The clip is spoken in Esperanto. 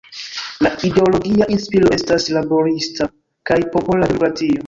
La ideologia inspiro estas laborista kaj popola demokratio.